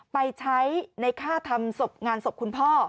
ไปใช้ในค่าทำงานศพคุณพ่อ